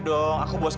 tapi nggak dapat juga